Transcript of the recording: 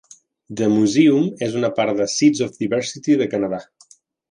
The Museum és una part de Seeds of Diversity de Canadà.